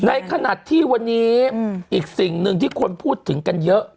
ในขณะที่วันนี้อีกสิ่งหนึ่งที่คนพูดถึงกันเยอะ